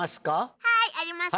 はいありますよ。